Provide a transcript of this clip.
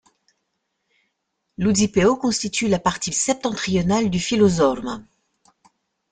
Luzzipeo constitue la partie septentrionale du Filosorma.